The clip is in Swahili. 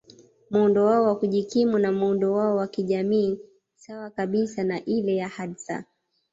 Muundo wao wakujikimu na muundo wao wakijamii sawa kabisa na ile ya Hadza